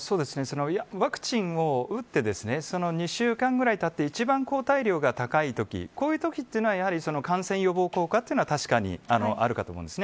ワクチンを打って２週間ぐらいたって一番、抗体量が高いときこういうときは、感染予防効果というのは確かにあるかと思います。